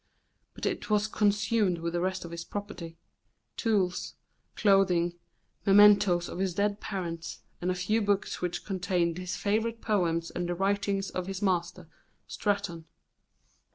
But it was consumed with the rest of his property tools, clothing, mementoes of his dead parents, and a few books which contained his favourite poems and the writings of his master, Straton.